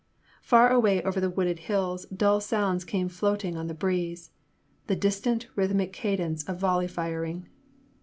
Far away over the wooded hills dull sounds came floating on the breeze, the distant rhythmic cadence of volley firing.